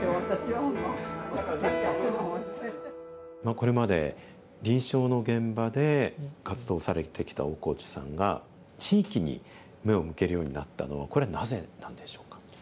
これまで臨床の現場で活動されてきた大河内さんが地域に目を向けるようになったのはこれなぜなんでしょうか？